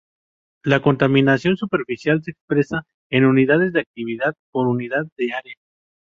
La contaminación superficial se expresa en unidades de actividad por unidad de área.